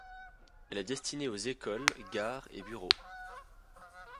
Elle est destinée aux écoles, gares et bureaux.